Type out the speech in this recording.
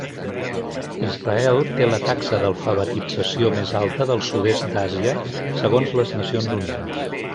Israel té la taxa d'alfabetització més alta del sud-est d'Àsia segons les Nacions Unides.